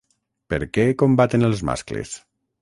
Per què combaten els mascles?